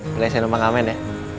beli saya nama pengamen ya